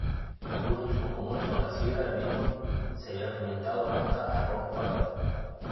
Algunos insumos comunes son la sidra, el vino, cereal fermentado, malta, arroz, o patatas.